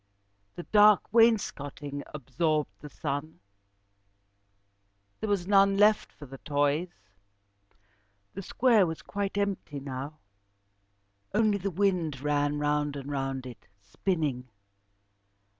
The dark wainscoting absorbed the sun. There was none left for toys. The square was quite empty now. Only the wind ran round and round it, spinning.